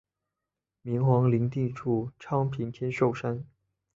明皇陵地处昌平天寿山。